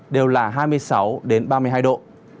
đều là hai mươi sáu ba mươi hai độ